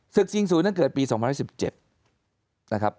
ชิงศูนย์นั้นเกิดปี๒๑๗นะครับ